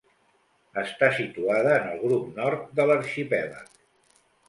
Està situada en el grup nord de l'arxipèlag.